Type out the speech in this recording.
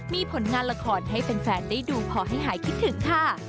มีผลงานละครให้แฟนได้ดูพอให้หายคิดถึงค่ะ